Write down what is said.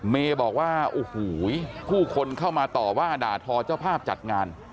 เมย์บอกว่าโอ้โหผู้คนเข้ามาต่อว่าด่าทอเจ้าภาพจัดงาน